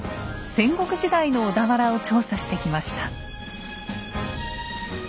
戦国時代の小田原を調査してきました。